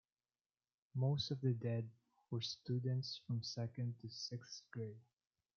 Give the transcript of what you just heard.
Most of the dead were students from second to sixth grade.